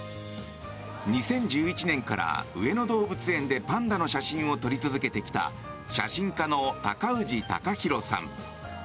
２０１１年から、上野動物園でパンダの写真を撮り続けてきた写真家の高氏貴博さん。